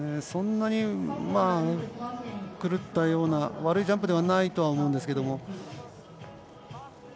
そんなに狂ったような悪いジャンプではないと思うんですが。